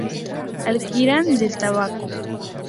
Alquitrán del tabaco